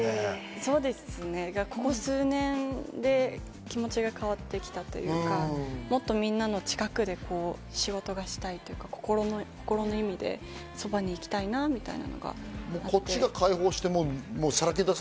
そうですね、ここ数年で気持ちが変わってきたというか、もっとみんなの近くで仕事がしたいというか、心の意味でそばに行きたいなみたいな。